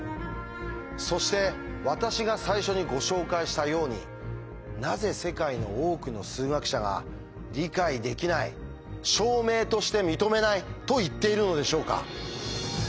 そして私が最初にご紹介したようになぜ世界の多くの数学者が「理解できない」「証明として認めない」と言っているのでしょうか？